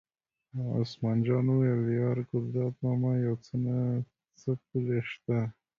عثمان جان وویل: یار ګلداد ماما یو څه نه څه پولې شته.